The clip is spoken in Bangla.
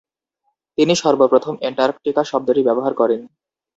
তিনি সর্বপ্রথম অ্যান্টার্কটিকা শব্দটি ব্যবহার করেন।